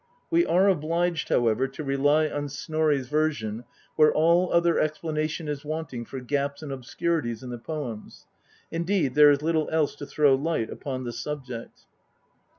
We are obliged, however, to rely on Snorri's version where all other explanation is wanting for gaps and obscurities in the poems ; indeed there is little else to throw light upon the subject.